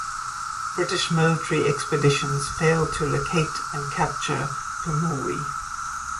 British military expeditions failed to locate and capture Pemulwuy.